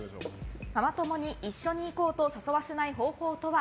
ママ友に一緒に行こうと誘わせない方法とは？